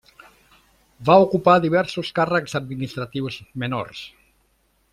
Va ocupar diversos càrrecs administratius menors.